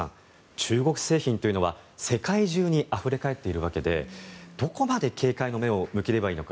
中国製品というのは世界中にあふれ返っているわけでどこまで警戒の目を向ければいいのか